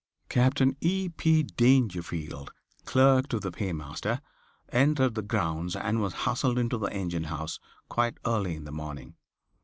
Captain E. P. Dangerfield, clerk to the paymaster, entered the grounds and was hustled into the engine house quite early in the morning.